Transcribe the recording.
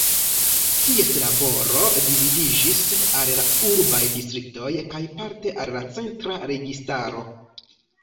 Ties laboro dividiĝis al la urbaj distriktoj kaj parte al la centra registaro.